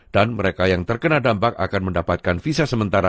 dan mereka yang terkena dampak akan mendapatkan visa sementara